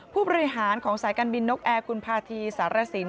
ผู้บริหารของสายการบินนกแอร์คุณพาธีสารสิน